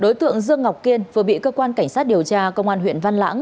đối tượng dương ngọc kiên vừa bị cơ quan cảnh sát điều tra công an huyện văn lãng